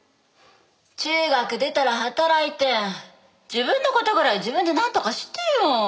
中学出たら働いて自分の事ぐらい自分でなんとかしてよ。